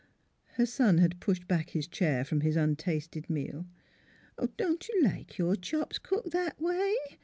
" Her son had pushed back his chair from his untasted meal. " Don't you like your chops cooked that way?"